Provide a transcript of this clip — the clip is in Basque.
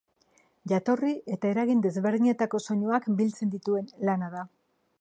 Jatorri eta eragin desberdinetako soinuak biltzen dituen lana da.